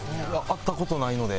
会った事ないので。